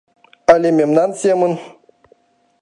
Але мемнан семын.